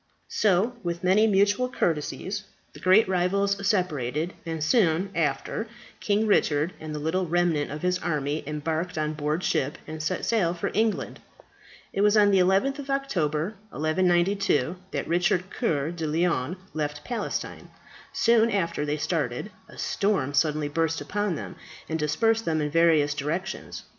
So, with many mutual courtesies, the great rivals separated, and, soon after, King Richard and the little remnant of his army embarked on board ship, and set sail for England. It was on the 11th of October, 1192, that Richard Coeur de Lion left Palestine. Soon after they started, a storm suddenly burst upon them, and dispersed them in various directions.